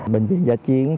bệnh viện giải chiến